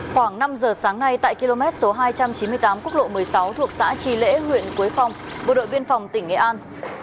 khoảng năm giờ sáng nay tại km số hai trăm chín mươi tám quốc lộ một mươi sáu thuộc xã tri lễ huyện quế phong bộ đội biên phòng tỉnh nghệ an